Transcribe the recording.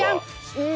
うん。